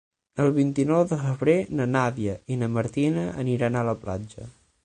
El vint-i-nou de febrer na Nàdia i na Martina aniran a la platja.